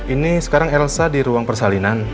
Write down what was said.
ini sekarang elsa di ruang persalinan